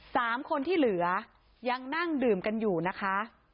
สามคนที่เหลือยังนั่งดื่มกันอยู่นะคะ